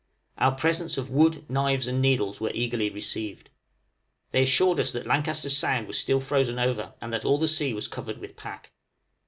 Our presents of wood, knives, and needles were eagerly received. They assured us that Lancaster Sound was still frozen over, and that all the sea was covered with pack.